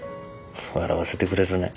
笑わせてくれるね。